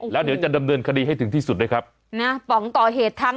แล้วเดี๋ยวจะดำเนินคดีให้ถึงที่สุดด้วยครับนะป๋องก่อเหตุทั้ง